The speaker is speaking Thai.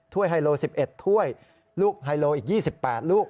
ไฮโล๑๑ถ้วยลูกไฮโลอีก๒๘ลูก